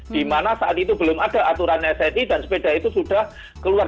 di mana saat itu belum ada aturan sni dan sepeda itu sudah keluar